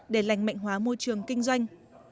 để lành mạnh hóa môi trường kinh doanh